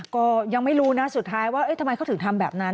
ก็ยังไม่รู้นะสุดท้ายว่าทำไมเขาถึงทำแบบนั้น